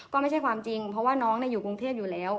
ก็ไม่ใช่ความจริงเพราะว่าน้องอยู่กรุงเทพอยู่แล้ว